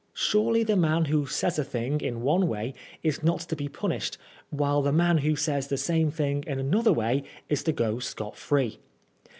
Surely the man who says a thing in one way is not to be punished, while the man who says the same thing in another way is to go scot free.